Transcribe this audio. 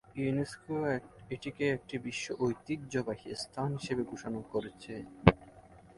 UNESCO এটিকে একটি বিশ্ব ঐতিহ্যবাহী স্থান হিসেবে ঘোষণা করেছে।